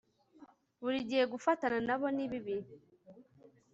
burigihe gufatana nabo ni bibi